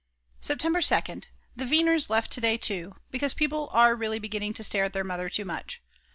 September 2nd. The Weiners left to day too, because people are really beginning to stare at their mother too much.